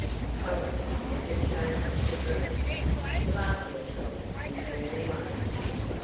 Poet, never chase the dream. Laugh yourself and turn away.